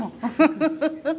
フフフッ！